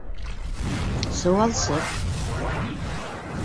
Сыуалсыҡ.